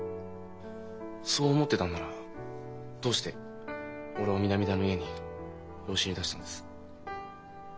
そう思ってたんならどうして俺を南田の家に養子に出したんです？